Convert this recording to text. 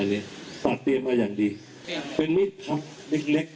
อันนี้ตัดเตรียมมาอย่างดีเป็นมีดพับเล็ก